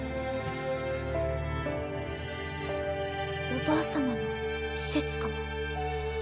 おばあ様の施設かも。